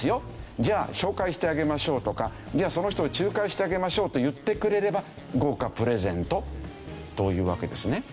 じゃあ紹介してあげましょうとかじゃあその人を仲介してあげましょうと言ってくれれば豪華プレゼントというわけですね。